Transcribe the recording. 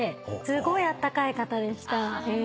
すごいあったかい方でした。